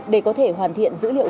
để có thể hoàn thiện dữ liệu